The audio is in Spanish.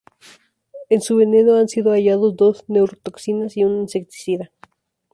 En su veneno han sido hallados dos neurotoxinas y un insecticida.